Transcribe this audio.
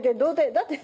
だって。